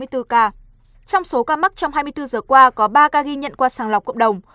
trong số ca mắc trong hai mươi bốn giờ qua có ba ca ghi nhận qua sàng lọc cộng đồng